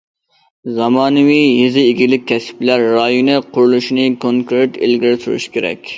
زامانىۋى يېزا ئىگىلىك كەسىپلەر رايونى قۇرۇلۇشىنى كونكرېت ئىلگىرى سۈرۈشى كېرەك.